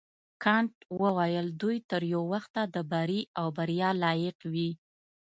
کانت وویل دوی تر یو وخته د بري او بریا لایق وي.